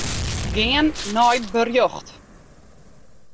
Gean nei berjocht.